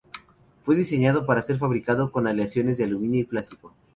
Fue diseñado para ser fabricado con aleaciones de aluminio y plástico.